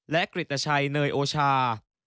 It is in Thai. และกริตชัยเนยโอชา